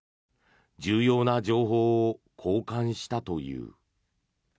重要な情報を交換したという。